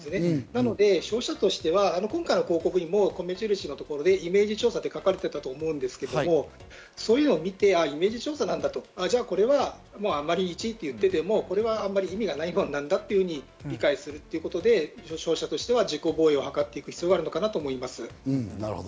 なので、消費者としては今回の広告も見せるところでイメージ調査と書かれていたと思うんですけど、そういうのを見て、イメージ調査なんだと。これは１位ということでも、あまり意味がないものなんだというふうに理解するということで、消費者としては自己防衛をはかるべきかなと思います。